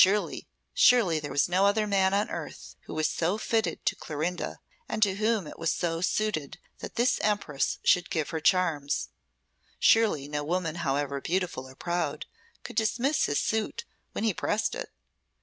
Surely, surely there was no other man on earth who was so fitted to Clorinda, and to whom it was so suited that this empress should give her charms. Surely no woman, however beautiful or proud, could dismiss his suit when he pressed it.